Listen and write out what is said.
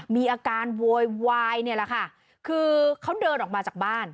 มีอาการโวยวายเนี่ยแหละค่ะคือเขาเดินออกมาจากบ้าน